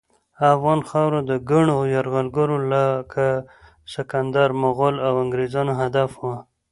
افغان خاوره د ګڼو یرغلګرو لکه سکندر، مغل، او انګریزانو هدف وه.